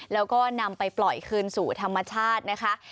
แล้วก็นำไปปล่อยคืนสู่ธรรมชาตินะคะ